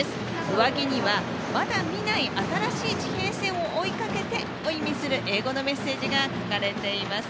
上着には、「まだ見ない、新しい地平線を追いかけて」を意味する英語のメッセージが書かれています。